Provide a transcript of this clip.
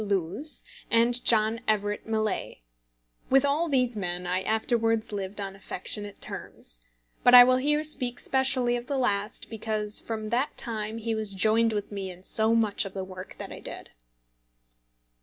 Lewes, and John Everett Millais. With all these men I afterwards lived on affectionate terms; but I will here speak specially of the last, because from that time he was joined with me in so much of the work that I did.